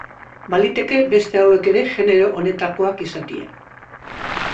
Baliteke beste hauek ere genero honetakoak izatea.